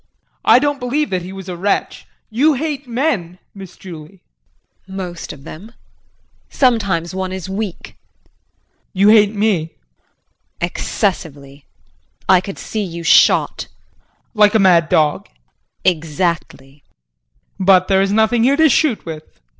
JEAN. I don't believe that he was a wretch. You hate men, Miss Julie. JULIE. Most of them. Sometimes one is weak JEAN. You hate me? JULIE. Excessively. I could see you shot JEAN. Like a mad dog? JULIE. Exactly! JEAN. But there is nothing here to shoot with.